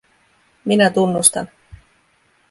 Minä tunnustan.